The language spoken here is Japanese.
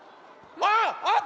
あっ！